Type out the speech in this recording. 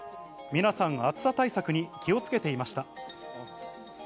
皆さん暑さ対策に気をつけていました。